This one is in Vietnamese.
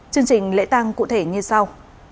chương trình lễ tăng cụ thể như sau